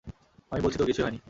আমি বলছি তো কিছুই হয়নি।